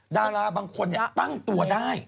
ดาราบางคนตั้งตัวได้